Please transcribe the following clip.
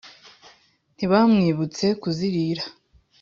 ntibamwibutse kuzirira.